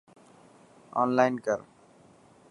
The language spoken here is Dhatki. اونلائن ڪر.